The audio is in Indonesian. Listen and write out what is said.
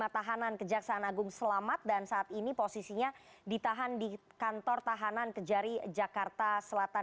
lima tahanan kejaksaan agung selamat dan saat ini posisinya ditahan di kantor tahanan kejari jakarta selatan